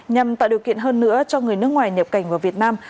nhằm tạo điều kiện hơn nữa cho người nước ngoài nhập cảnh vào việt nam